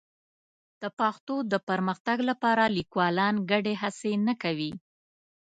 د پښتو ژبې د پرمختګ لپاره لیکوالان ګډې هڅې نه کوي.